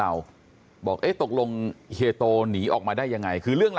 มันก็ต้องมีการกระทำเกิดขึ้น